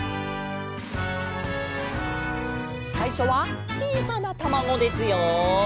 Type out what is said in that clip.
さいしょはちいさなたまごですよ。